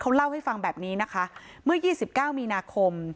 เขาเล่าให้ฟังแบบนี้นะคะเมื่อ๒๙มีนาคม